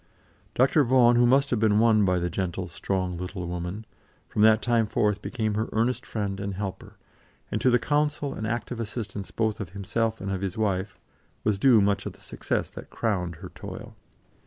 Dr. Vaughan, who must have been won by the gentle, strong, little woman, from that time forth became her earnest friend and helper; and to the counsel and active assistance both of himself and of his wife, was due much of the success that crowned her toil.